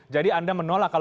jadi anda menolak